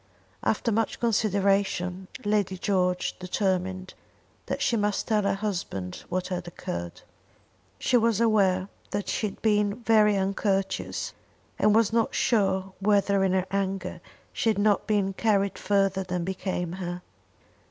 After much consideration Lady George determined that she must tell her husband what had occurred. She was aware that she had been very uncourteous, and was not sure whether in her anger she had not been carried further than became her.